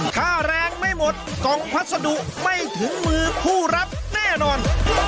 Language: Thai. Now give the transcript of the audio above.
ค่าแรงไม่หมดกล่องพัสดุไม่ถึงมือผู้รับแน่นอน